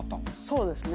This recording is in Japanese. そうですね。